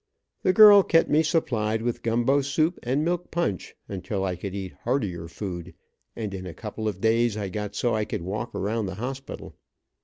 The girl kept me supplied with gumbo soup and milk punch until I could eat heartier food, and in a couple of days I got so I could walk around the hospital.